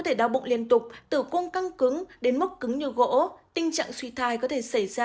thể đau bụng liên tục tử cung căng cứng đến mức cứng như gỗ tình trạng suy thai có thể xảy ra